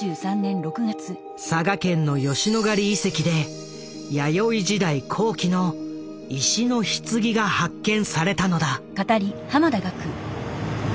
佐賀県の吉野ヶ里遺跡で弥生時代後期の石のひつぎが発見されたのだ。